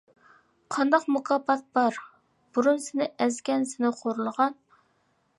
قانداق مۇكاپات بار بۇرۇن سىنى ئەزگەن سىنى خورلىغان.